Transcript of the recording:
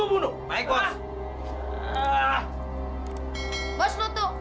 bos lu tuh